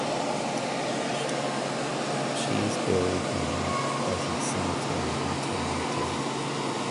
She is buried in Mount Pleasant Cemetery in Toronto.